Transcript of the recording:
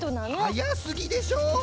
はやすぎでしょ